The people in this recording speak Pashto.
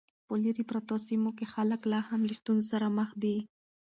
په لیرې پرتو سیمو کې خلک لا هم له ستونزو سره مخ دي.